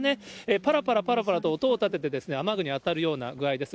ぱらぱらぱらぱらと音を立てて、雨具に当たるような具合です。